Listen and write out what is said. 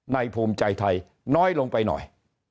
ภูมิใจไทยน้อยลงไปหน่อย